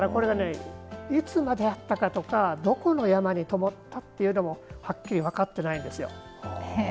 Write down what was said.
いつまであったかとかどこの山にともったっていうのもはっきり分かってないんですよ。